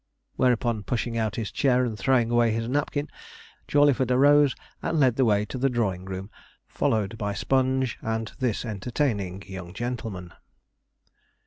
Whereupon, pushing out his chair and throwing away his napkin, Jawleyford arose and led the way to the drawing room, followed by Sponge and this entertaining young gentleman.